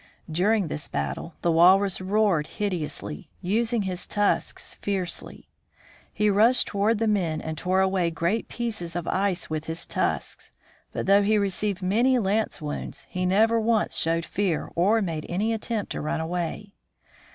During this battle the walrus roared hideously, using his tusks fiercely. He rushed toward the men and tore away great pieces of ice with his tusks, but though he HUNTING IN THE ICY NORTH 47 received many lance wounds, he never once showed fear or made any attempt to run away.